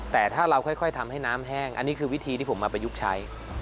แต่ถ้าเราค่อยทำให้น้ำแห้งอันนี้คือวิธีที่ผมมาประยุกต์ใช้